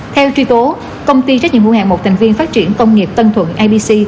theo truy tố công ty trách nhiệm hữu hạng bộ thành viên phát triển công nghiệp tân thuận ibc